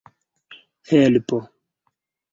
helpo